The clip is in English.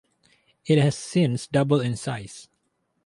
It has since doubled in size.